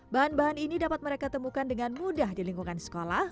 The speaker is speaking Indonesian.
bahan bahan ini dapat mereka temukan dengan mudah di lingkungan sekolah